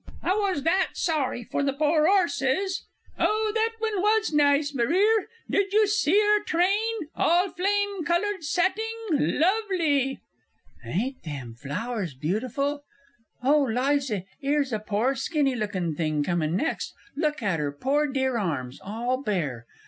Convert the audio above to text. I was that sorry for the poor 'orses!... Oh, that one was nice, Marire! Did you see 'er train? all flame coloured satting lovely! Ain't them flowers beautiful? Oh, Liza, 'ere's a pore skinny lookin' thing coming next look at 'er pore dear arms, all bare!